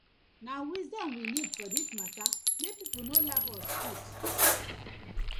Na wisdom we need for dis matta mek pipus no laugh us put.